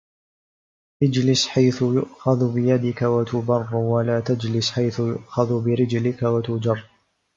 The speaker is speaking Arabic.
اجلس حيث يُؤْخَذُ بيدك وَتُبَرُّ ولا تجلس حيث يؤخذ برجلك وتُجَرُّ